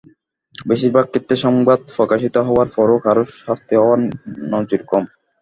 বেশির ভাগ ক্ষেত্রে সংবাদ প্রকাশিত হওয়ার পরও কারও শাস্তি হওয়ার নজির কম।